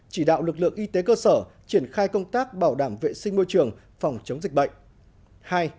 chỉ đạo lực lượng y tế cơ sở triển khai công tác bảo đảm vệ sinh môi trường phòng chống dịch bệnh